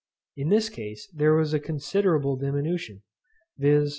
In this case there was a considerable diminution, viz.